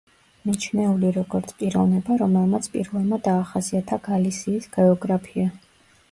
მიჩნეული როგორც პიროვნება რომელმაც პირველმა დაახასიათა გალისიის გეოგრაფია.